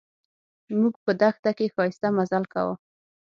موږ په دښته کې ښایسته مزل کاوه.